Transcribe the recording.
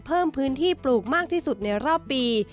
เพิ่มพื้นที่ปลูกมากที่สุดในรอบปี